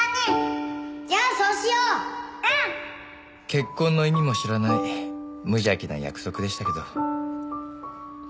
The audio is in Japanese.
結婚の意味も知らない無邪気な約束でしたけど。